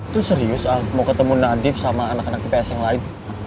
lo serius ald mau ketemu nadif sama anak anak ipa ips yang lain